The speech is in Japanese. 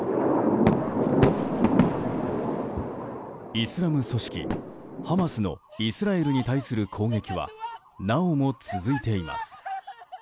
イスラム組織ハマスのイスラエルに対する攻撃はなおも続いています。